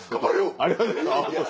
ありがとうございます。